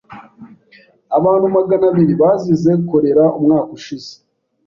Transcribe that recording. Abantu magana abiri bazize kolera umwaka ushize.